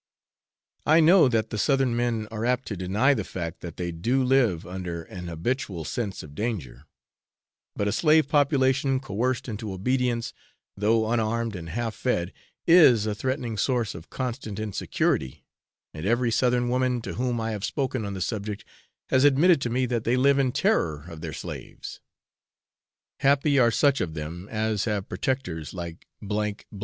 I know that the southern men are apt to deny the fact that they do live under an habitual sense of danger; but a slave population, coerced into obedience, though unarmed and half fed, is a threatening source of constant insecurity, and every southern woman to whom I have spoken on the subject, has admitted to me that they live in terror of their slaves. Happy are such of them as have protectors like J C